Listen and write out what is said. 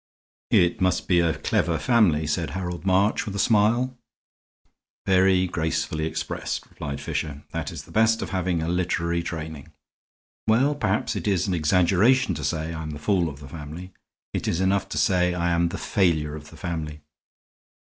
"It must be a clever family," said Harold March, with a smile. "Very gracefully expressed," replied Fisher; "that is the best of having a literary training. Well, perhaps it is an exaggeration to say I am the fool of the family. It's enough to say I am the failure of the family."